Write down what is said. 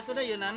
tuh ada dong set